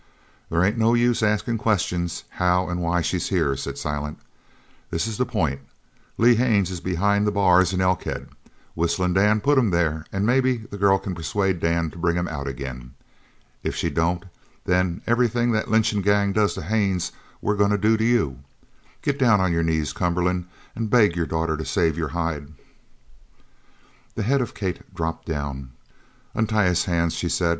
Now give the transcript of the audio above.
"There ain't no use askin' questions how an' why she's here," said Silent. "This is the pint. Lee Haines is behind the bars in Elkhead. Whistlin' Dan put him there an' maybe the girl c'n persuade Dan to bring him out again. If she don't then everything the lynchin' gang does to Haines we're goin' to do to you. Git down on your ol' knees, Cumberland, an' beg your daughter to save your hide!" The head of Kate dropped down. "Untie his hands," she said.